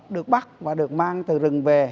được bắt và được mang từ rừng về